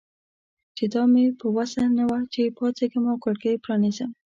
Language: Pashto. چې دا مې په وسه نه وه چې پاڅېږم او کړکۍ پرانیزم.